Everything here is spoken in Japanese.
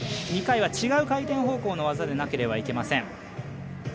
２回は違う回転方向の技でなければなりません。